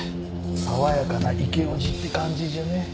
爽やかなイケオジって感じじゃね？